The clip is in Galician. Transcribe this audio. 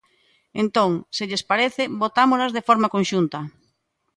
Entón, se lles parece, votámolas de forma conxunta.